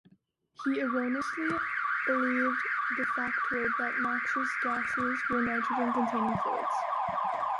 He erroneously believed the factoid that noxious gases were nitrogen containing fluids.